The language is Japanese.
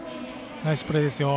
ナイスプレーですよ。